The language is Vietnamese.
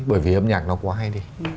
bởi vì âm nhạc nó quá hay